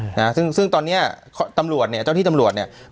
นะฮะซึ่งซึ่งตอนเนี้ยตำรวจเนี้ยเจ้าที่ตำรวจเนี้ย